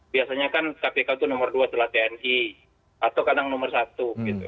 biasanya kan kpk itu nomor dua setelah tni atau kadang nomor satu